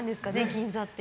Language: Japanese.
銀座って。